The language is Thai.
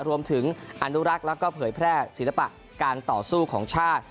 รวมถึงอนุรักษ์แล้วก็เผยแพร่ศิลปะการต่อสู้ของชาติ